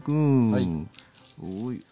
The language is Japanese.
はい。